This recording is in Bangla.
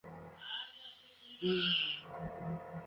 কাজি অফিসে যেতে জ্বর ভালো হওয়া পর্যন্ত অপেক্ষা করতে পারব না।